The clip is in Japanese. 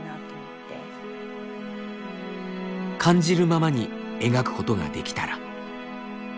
感じるままに描くことができたら。